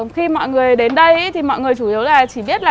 khi mọi người đến đây thì mọi người chủ yếu là chỉ biết là